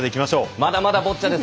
まだまだ、ボッチャです。